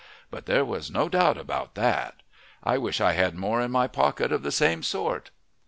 But there was no doubt about that. I wish I had more in my pocket of the same sort.